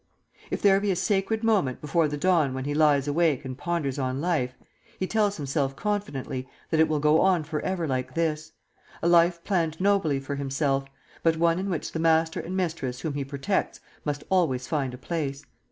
If there be a sacred moment before the dawn when he lies awake and ponders on life, he tells himself confidently that it will go on for ever like this a life planned nobly for himself, but one in which the master and mistress whom he protects must always find a place.